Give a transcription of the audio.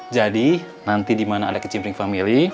jadi nanti di mana ada kecimpring family